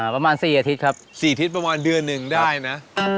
ประมาณ๔อาทิตย์ครับ๔ทิศประมาณเดือนหนึ่งได้นะ